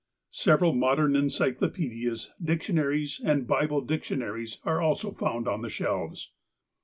Several modern encyclopedias, dictionaries, and Bible dictiona ries are also found on the shelves.